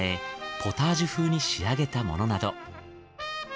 ポタージュ風に仕上げたものなど。